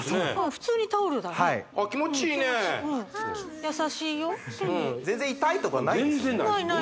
普通にタオルだねああ気持ちいいねえ優しいよ全然痛いとかはないですよね